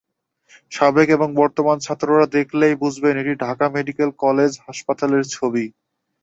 সাবেক এবং বর্তমান ছাত্ররা দেখলেই বুঝবেন, এটি ঢাকা মেডিকেল কলেজ হাসপাতালের ছবি।